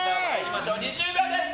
２０秒です。